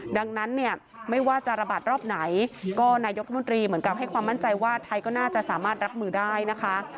ดังนั้นเนี่ยไม่ว่าจะระบาดรอบไหนก็นายกรัฐมนตรีเหมือนกับให้ความมั่นใจว่าไทยก็น่าจะสามารถรับมือได้นะคะ